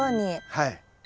はい。